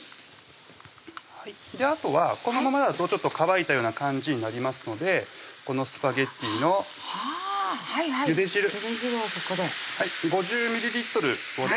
あとはこのままだとちょっと乾いたような感じになりますのでこのスパゲッティのゆで汁ゆで汁をここで５０ｍｌをね